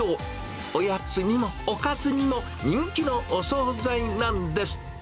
おやつにもおかずにも人気のお総菜なんです。